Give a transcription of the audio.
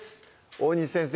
大西先生